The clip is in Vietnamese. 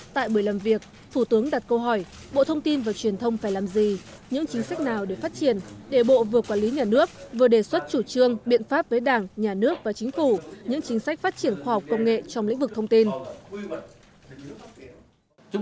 tại buổi làm việc thủ tướng đặt câu hỏi bộ thông tin và truyền thông phải làm gì những chính sách nào để phát triển để bộ vừa quản lý nhà nước vừa đề xuất chủ trương biện pháp với đảng nhà nước và chính phủ những chính sách phát triển khoa học công nghệ trong lĩnh vực thông tin